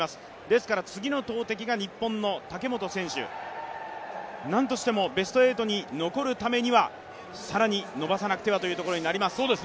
ですから次の投てきが日本の武本選手、なんとしてもベスト８に残るためには更に伸ばさなくてはというところになります。